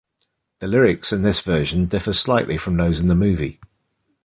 The lyrics in this version differ slightly from those in the movie.